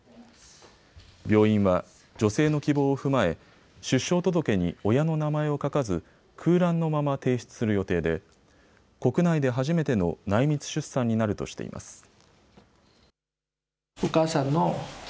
病院は女性の希望を踏まえ出生届に親の名前を書かず空欄のまま提出する予定で国内で初めての内密出産になるとしています。